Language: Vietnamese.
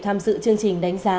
tham dự chương trình đánh giá